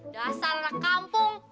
dasar anak kampung